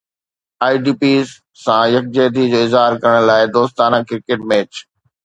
آئي D Ps سان يڪجهتي جو اظهار ڪرڻ لاءِ دوستانه ڪرڪيٽ ميچ